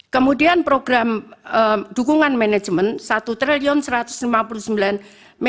kemudian program dukungan manajemen rp satu satu ratus lima puluh sembilan delapan ratus delapan puluh delapan